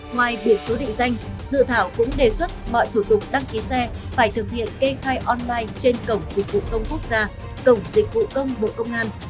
ngoài biển số định danh dự thảo cũng đề xuất mọi thủ tục đăng ký xe phải thực hiện kê khai online trên cổng dịch vụ công quốc gia cổng dịch vụ công bộ công an